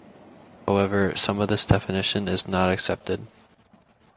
However, some of this definition is not accepted.